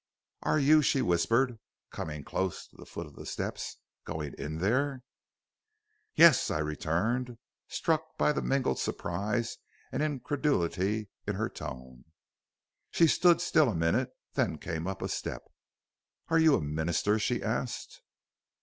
"'Are you,' she whispered, coming close to the foot of the steps, 'going in there?' "'Yes,' I returned, struck by the mingled surprise and incredulity in her tone. "She stood still a minute, then came up a step. "'Are you a minister?' she asked.